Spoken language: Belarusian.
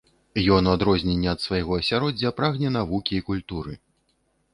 Ён, у адрозненне ад свайго асяроддзя, прагне навукі і культуры.